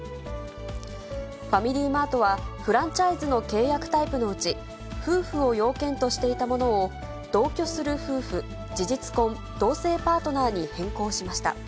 ファミリーマートは、フランチャイズの契約タイプのうち、夫婦を要件としていたものを、同居する夫婦、事実婚、同性パートナーに変更しました。